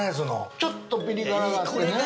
ちょっとピリ辛があってね。